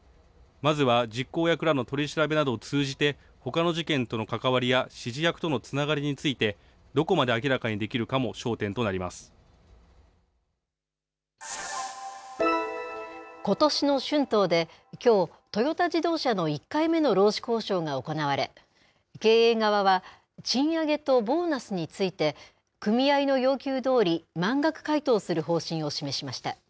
まずは実行役らの取り調べなどを通じて、ほかの事件との関わりや、指示役とのつながりについて、どこまで明らかにできるかも焦点とことしの春闘で、きょう、トヨタ自動車の１回目の労使交渉が行われ、経営側は賃上げとボーナスについて、組合の要求どおり、満額回答する方針を示しました。